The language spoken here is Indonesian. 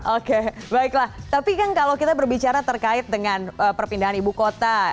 oke baiklah tapi kan kalau kita berbicara terkait dengan perpindahan ibu kota